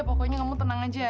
pokoknya kamu tenang aja